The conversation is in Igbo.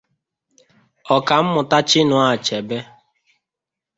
Ọkammụta Chinụa Achebe